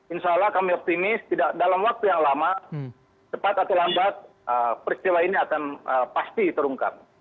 insya allah kami optimis dalam waktu yang lama cepat atau lambat peristiwa ini akan pasti terungkap